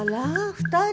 ２人？